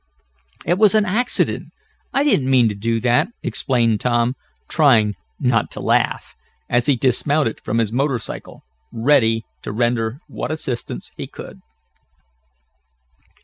"It was an accident! I didn't mean to do that," explained Tom, trying not to laugh, as he dismounted from his motor cycle, ready to render what assistance he could.